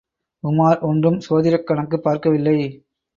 உமார் ஒன்றும் சோதிடக் கணக்குப் பார்க்கவில்லை.